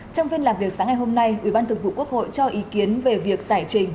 trong phiên làm việc sáng ngày hôm nay ủy ban thường vụ quốc hội cho ý kiến về việc giải trình